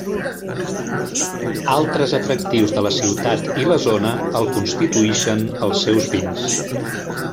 Altres atractius de la ciutat i la zona el constituïxen els seus vins.